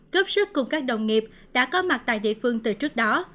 góp sức cùng các đồng nghiệp đã có mặt tại địa phương từ trước đó